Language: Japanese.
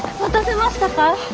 待たせましたか？